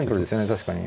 確かに。